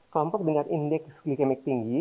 kelompok dengan indeks glikemik tinggi